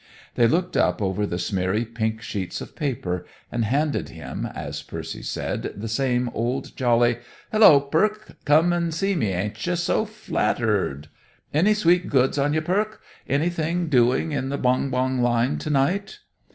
They looked up over the smeary pink sheets of paper, and handed him, as Percy said, the same old jolly: "Hullo, Perc'! Come to see me, ain't you? So flattered!" "Any sweet goods on you, Perc'? Anything doing in the bong bong line to night?"